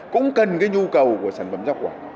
cũng cần cái nhu cầu của sản phẩm rau quả